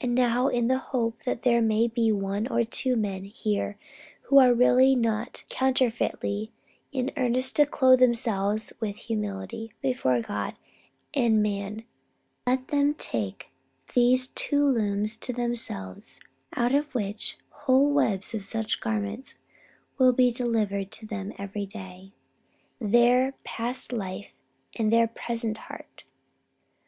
And now, in the hope that there may be one or two men here who are really and not counterfeitly in earnest to clothe themselves with humility before God and man, let them take these two looms to themselves out of which whole webs of such garments will be delivered to them every day their past life, and their present heart.